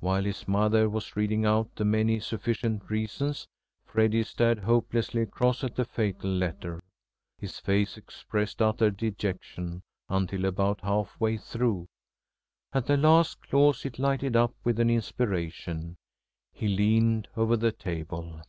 While his mother was reading out the many sufficient reasons, Freddy stared hopelessly across at the fatal letter. His face expressed utter dejection until about halfway through. At the last clause it lighted up with an inspiration. He leaned over the table.